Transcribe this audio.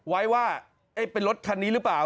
ไว้ว่าเป็นรถคันนี้หรือเปล่า